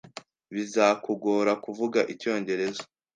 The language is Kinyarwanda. Bizakugora kuvuga icyongereza.